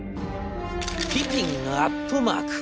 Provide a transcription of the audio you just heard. ピピンアットマーク。